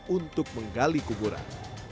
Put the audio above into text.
untuk menggali kuburan